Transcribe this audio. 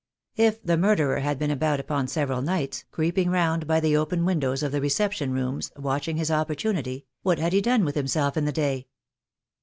If the murderer had been about upon several nights, creeping round by the open windows of the reception rooms, watching his opportunity, what had he done with himself in the day?